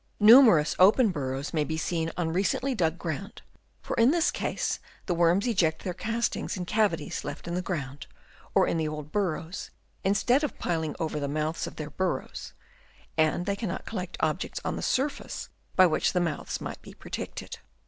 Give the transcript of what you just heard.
Numerous open burrows may be seen on recently dug ground, for in this case the worms eject their castings in cavities left in the ground, or in the old burrows, instead of piling them over the mouths of their burrows, and they cannot collect objects on the surface by which the mouths might he protected.